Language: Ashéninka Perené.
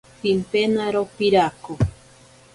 Pimpenaro pirako.